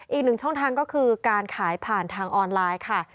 อีกหนึ่งช่องทางก็คือการขายผ่านทางออนไลน์ค่ะ